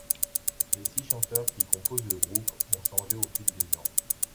Les six chanteurs qui composent le groupe ont changé au fil des ans.